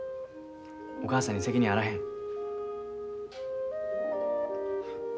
お母さんに責任はあらへん。